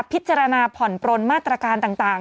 พิจารณาผ่อนปลนมาตรการต่าง